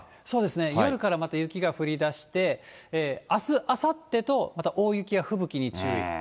そうですね、夜からまた雪が降りだして、あす、あさってとまた大雪や吹雪に注意。